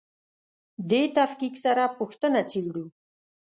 دې تفکیک سره پوښتنه څېړو.